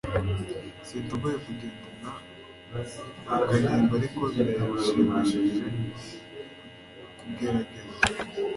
Sinshobora kugendana na Kanimba ariko birashimishije kugerageza